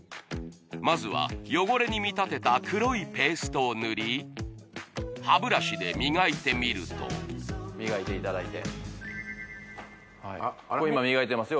まずは汚れに見立てた黒いペーストを塗り歯ブラシで磨いてみると磨いていただいてこれ今磨いてますよ